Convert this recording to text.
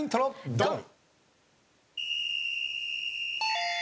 ドン！